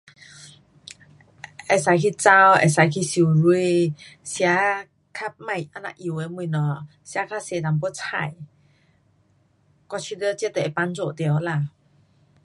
可以去跑，可以去游泳，吃较别这么油的东西，吃较多一点菜。我觉得这就会帮助到啦。